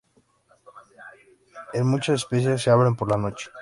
En muchas especies se abren por la noche.